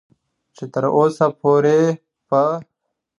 چې تر اوسه پورې په